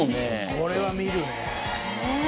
これは見るね。